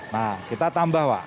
nah kita tambah pak